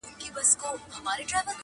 زما پر زړه دغه ګيله وه ښه دى تېره سوله,